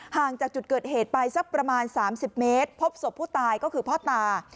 ห่างจากจุดเกิดเหตุไปสักประมาณ๓๐เมตรพบศพผู้ตายก็คือพ่อตา